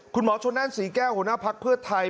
คุณหมอชนนั่นศรีแก้วหัวหน้าภักดิ์เพื่อไทย